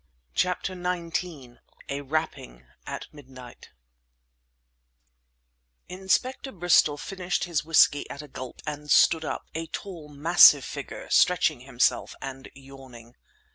CHAPTER XIX A RAPPING AT MIDNIGHT Inspector Bristol finished his whisky at a gulp and stood up, a tall, massive figure, stretching himself and yawning.